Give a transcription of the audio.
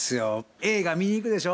映画見に行くでしょ。